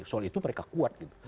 soal itu mereka kuat gitu